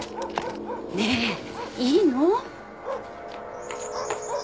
ねえいいの？